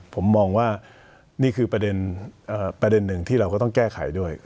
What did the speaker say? ผมมองว่านี่คือประเด็นหนึ่งที่เราก็ต้องแก้ไขด้วย